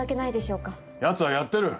やつはやってる。